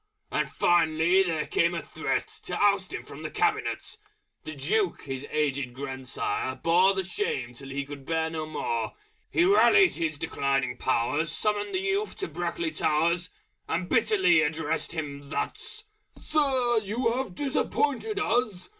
And finally there came a Threat To oust him from the Cabinet! The Duke his aged grand sire bore The shame till he could bear no more. He rallied his declining powers, Summoned the youth to Brackley Towers, And bitterly addressed him thus "Sir! you have disappointed us!